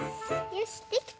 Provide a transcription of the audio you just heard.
よしできた！